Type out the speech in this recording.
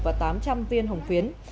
và tám trăm linh viên hồng phiến